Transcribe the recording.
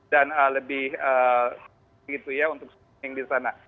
dan lebih gitu ya untuk streaming di sana